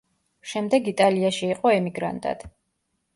შემდეგ იტალიაში იყო ემიგრანტად.